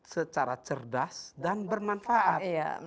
secara cerdas dan bermanfaat